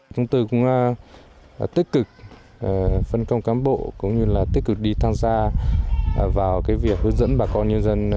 cũng tích cực phân công cám bộ cũng như là tích cực đi tham gia vào cái việc hướng dẫn bà con nhân dân